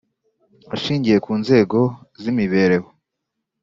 ashingiye ku nzego z’imibereho